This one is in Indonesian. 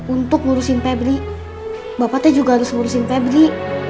untuk ngurusin febri bapaknya juga harus ngurusin febri